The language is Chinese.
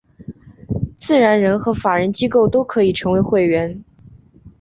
自然人和法人机构都可以成为会员。